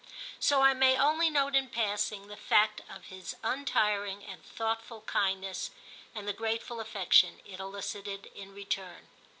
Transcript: So I may only note in passing the fact of his untiring and thoughtful kindness, and the grateful affection it elicited in return.